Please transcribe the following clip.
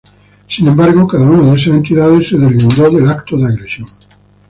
Sin embargo, cada una de esas entidades se deslindó del acto de agresión.